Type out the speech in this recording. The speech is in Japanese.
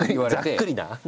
ざっくりな。